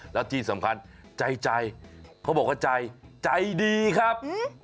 แล้วที่สำคัญใจเขาบอกว่าใจใจดีครับ